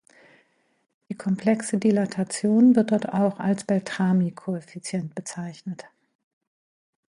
Die komplexe Dilatation wird dort auch als Beltrami-Koeffizient bezeichnet.